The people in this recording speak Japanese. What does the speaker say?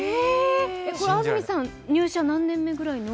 安住さん入社何年目ぐらいの？